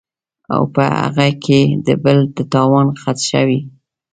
او پۀ هغې کې د بل د تاوان خدشه وي